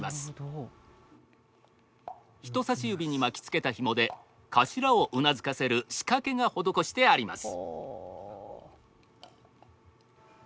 人さし指に巻きつけたひもで頭をうなずかせる仕掛けが施してあります。